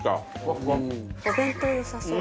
お弁当よさそう。